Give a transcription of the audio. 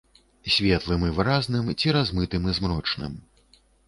Светлым і выразным ці размытым і змрочным.